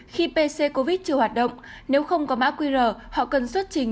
khi pc covid chưa hoạt động nếu không có mã qr họ cần xuất trình